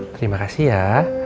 terima kasih ya